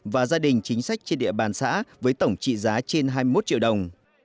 và gia đình chính sách trên địa bàn xã với tổng trị giá trên hai mươi một triệu đồng